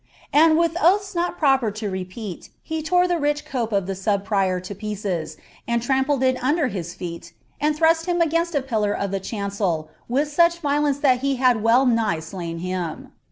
and, with oaths not proper to repeat, he lore the 1 \ <>pe of the sub prior to pieces, and trampled it under his feet, and it liim DgKtnst a pillar of the chnncel with such violence thai he had ~(gft slain him.